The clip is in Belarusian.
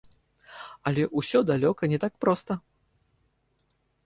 Але ўсё далёка не так проста.